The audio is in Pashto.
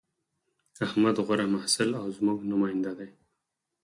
احمد غوره محصل او زموږ نماینده دی